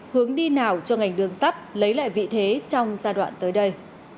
hướng đi nào cho ngành đường sắt lấy lại vị thế trong giai đoạn tới đây